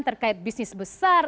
terkait bisnis besar